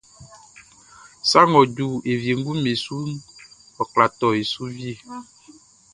Sa ngʼɔ ju e wienguʼm be suʼn, ɔ kwla tɔ e su wie.